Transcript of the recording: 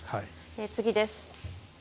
次です。